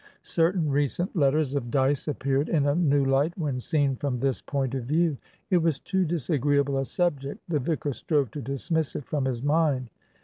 Certain recent letters of Dyce appeared in a new light when seen from this point of view. It was too disagreeable a subject; the vicar strove to dismiss it from his mind.